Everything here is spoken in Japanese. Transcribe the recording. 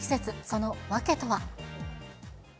その訳とは。